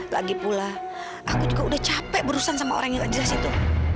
lagi pula aku juga udah capek berusan sama orang yang ada di situ